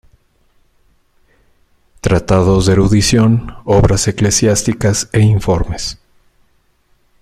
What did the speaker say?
Tratados de erudición, obras eclesiásticas e informes.